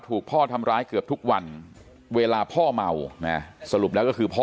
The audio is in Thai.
ถูกพ่อทำร้ายเกือบทุกวันเวลาพ่อเมานะสรุปแล้วก็คือพ่อ